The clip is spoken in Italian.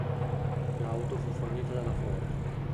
L'auto fu fornita dalla Ford.